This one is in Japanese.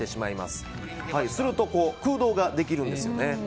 すると、空洞ができるんですよね。